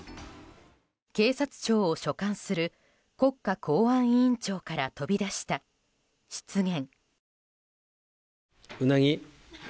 警察庁を所管する国家公安委員長から飛び出した失言。